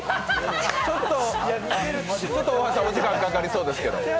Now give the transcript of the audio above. ちょっと大橋さん、お時間がかかりそうですけど？